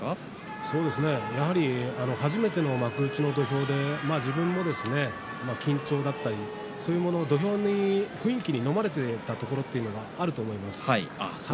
やはり初めての幕内の土俵で自分も緊張だったりそういうもの土俵に雰囲気にのまれていたところがあったと思います。